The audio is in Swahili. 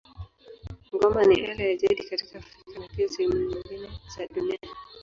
Ngoma ni ala ya jadi katika Afrika na pia sehemu nyingine za dunia.